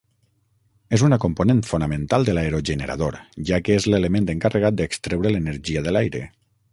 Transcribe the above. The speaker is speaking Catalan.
És una component fonamental de l'aerogenerador, ja que és l'element encarregat d'extreure l'energia de l'aire.